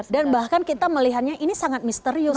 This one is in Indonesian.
dan bahkan kita melihatnya ini sangat misterius